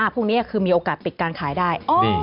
พวกนี้คือมีโอกาสปิดการขายได้